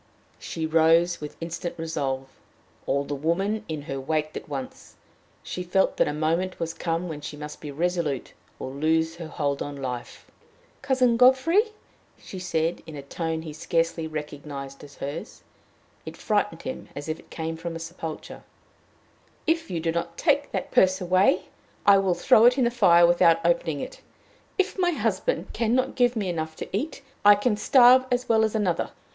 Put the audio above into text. She rose with instant resolve. All the woman in her waked at once. She felt that a moment was come when she must be resolute, or lose her hold on life. "Cousin Godfrey," she said, in a tone he scarcely recognized as hers it frightened him as if it came from a sepulchre "if you do not take that purse away, I will throw it in the fire without opening it! If my husband can not give me enough to eat, I can starve as well as another.